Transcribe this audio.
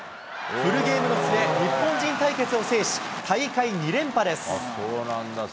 フルゲームの末、日本人対決を制し、大会２連覇です。